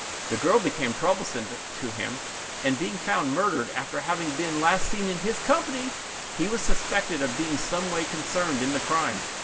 The girl became troublesome to him; and being found murdered, after having been last seen in his company, he was suspected of being some way concerned in the crime.